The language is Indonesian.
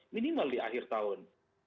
minimal di akhir tahun